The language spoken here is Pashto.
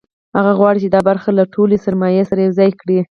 هغه غواړي چې دا برخه له ټولې سرمایې سره یوځای کړي